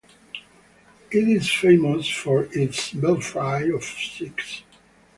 It is famous for its belfry of six.